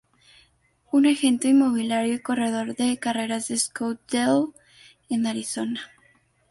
Un agente inmobiliario y corredor de carreras de Scottsdale, en Arizona.